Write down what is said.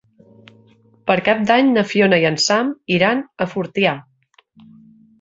Per Cap d'Any na Fiona i en Sam iran a Fortià.